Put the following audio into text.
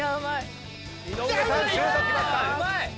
井上さんシュート決まった！